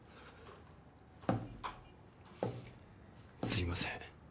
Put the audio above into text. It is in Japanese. すいません。